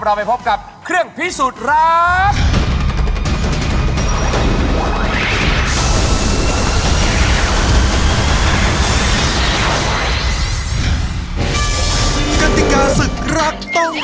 ไปพบกับเครื่องพิสูจน์ครับ